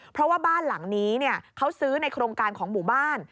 เพราะว่าบ้านหลังนี้เขาซื้อในโครงการของหมู่บ้าน